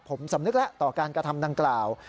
ผมสำนึกแล้วต่อการกระทำดังกล่าว